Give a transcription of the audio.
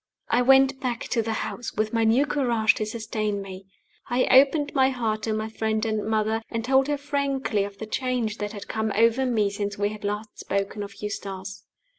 I went back to the house, with my new courage to sustain me. I opened my heart to my friend and mother, and told her frankly of the change that had come over me since we had last spoken of Eustace.